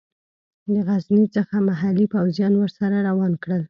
د غزني څخه محلي پوځیان ورسره روان کړل.